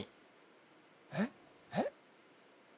えっ？えっ？